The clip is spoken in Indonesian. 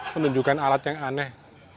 menunjukkan alat yang aneh